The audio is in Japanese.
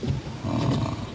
ああ。